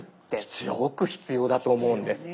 すごく必要だと思うんです。